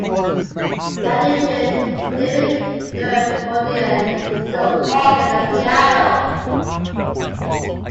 In addition, David learned accordion, fiddle, organ, and piano.